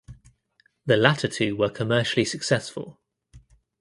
The latter two were commercially successful.